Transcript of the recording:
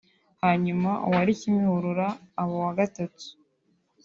hanyuma uwa Kimihurura uba uwa gatatu